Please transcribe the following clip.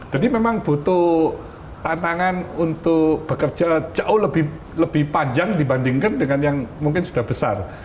jadi memang butuh tantangan untuk bekerja jauh lebih panjang dibandingkan dengan yang mungkin sudah besar